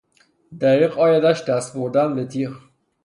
دریغ آیدش دست بردن بتیغ